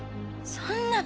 そんな。